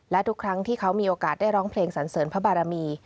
และทุกครั้งที่เขามีโอกาสได้ร้องเพลงสันเสริญพระบารมี